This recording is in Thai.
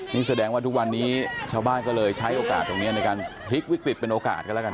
นี่แสดงว่าทุกวันนี้ชาวบ้านก็เลยใช้โอกาสตรงนี้ในการพลิกวิกฤตเป็นโอกาสกันแล้วกัน